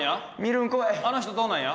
あの人どうなんや？